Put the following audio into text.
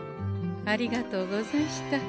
ありがとうござんした。